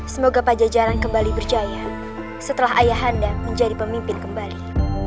semoga pajajaran kembali berjaya setelah ayahanda menjadi pemimpin kembali